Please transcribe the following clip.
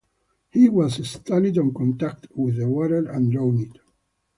He was stunned on contact with the water and drowned.